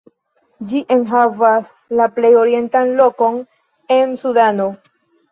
Ĝi enhavas la plej orientan lokon en Sudano.